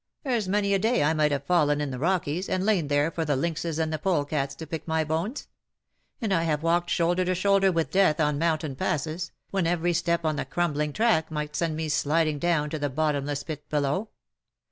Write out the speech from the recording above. There^s many a day I might have fallen in the Rockies, and lain there for the lynxes and the polecats to pick my bones ; and I have walked shoulder to shoulder with death on monu tain passes, when every step on the crumbling track might send me sliding down to the bottom less pit below.